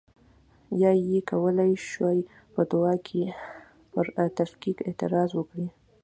یا یې کولای شوای په دعا کې پر تفکیک اعتراض وکړي.